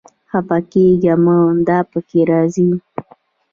خپه کېږه مه، دا پکې راځي